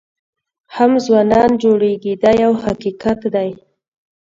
هم ځوانان جوړېږي دا یو حقیقت دی.